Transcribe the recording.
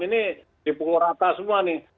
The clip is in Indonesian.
ini di pukul rata semua nih